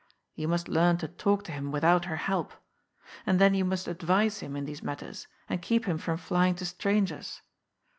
You must learn to talk to him without her help. And then you must advise him in these matters and keep him from flying to strangers.